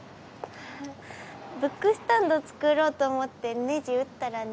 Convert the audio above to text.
あっブックスタンド作ろうと思ってネジ打ったらね転んじゃって。